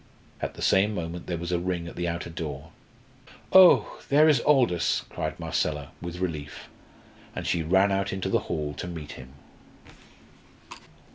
At the same moment there was a ring at the outer door. "Oh, there is Aldous," cried Marcella, with relief, and she ran out into the hall to meet him.